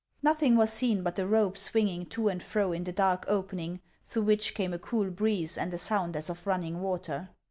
Nothing was seen but the rope swinging to and fro in the dark opening, through which came a cool breeze and a sound as of running water.